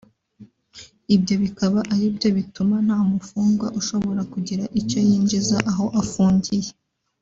ibyo bikaba ari byo bituma nta mufungwa ushobora kugira icyo yinjiza aho afungiye